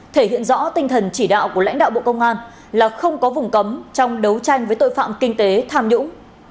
thể hiện rõ tinh thần chỉ đạo của lãnh đạo bộ công an là không có vùng cấm trong đấu tranh với tội phạm kinh tế tham nhũng